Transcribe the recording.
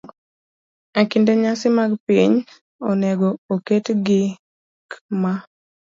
E kinde mag nyasi mag piny, onego oket gik ma